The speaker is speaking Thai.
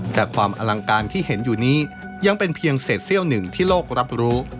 แต่ความอลังการที่เห็นอยู่นี้ยังเป็นเพียงเศษเซี่ยวหนึ่งที่โลกรับรู้